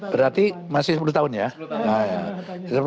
berarti masih sepuluh tahun ya